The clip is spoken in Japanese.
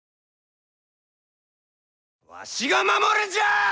わしが守るんじゃあ！